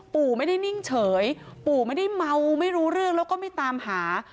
ปู่ไม่ได้นิ่งเฉยปู่ไม่ได้เมาไม่รู้เรื่องแล้วก็ไม่ตามหา